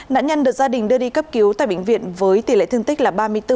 nạn nhân được gia đình đưa đi cấp cứu tại bệnh viện với tỷ lệ thương tích là ba mươi bốn